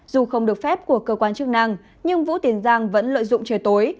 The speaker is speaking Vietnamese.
dù không được phép của cơ quan chức năng nhưng vũ tiền giang vẫn lợi dụng trời tối